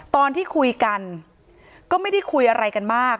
ตอนที่คุยกันก็ไม่ได้คุยอะไรกันมาก